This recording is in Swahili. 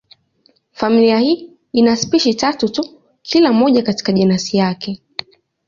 Familia hii ina spishi tatu tu, kila moja katika jenasi yake.